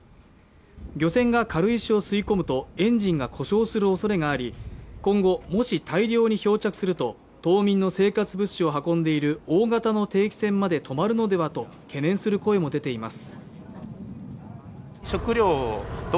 漁船が軽石を吸い込むとエンジンが故障するおそれがあり、今後もし大量に漂着すると島民の生活物資を運んでいる大型の定期船まで止まるのではと懸念する声も出ています。